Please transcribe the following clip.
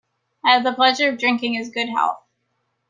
I have the pleasure of drinking his good health.